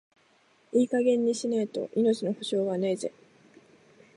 いい加減にしねえと、命の保証はねえぜ。